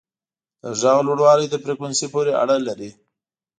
د غږ لوړوالی د فریکونسي پورې اړه لري.